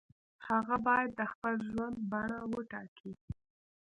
هغه باید د خپل ژوند بڼه وټاکي.